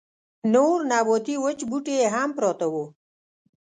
نور نباتي وچ بوټي يې هم پراته وو.